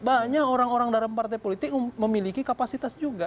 banyak orang orang dalam partai politik memiliki kapasitas juga